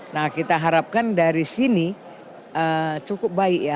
nah kita harapkan dari sini cukup baik ya